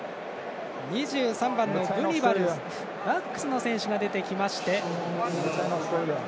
２３番のブニバル、バックスの選手が出てきました。